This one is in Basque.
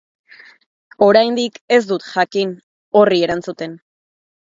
Oraindik ez dut jakin horri erantzuten.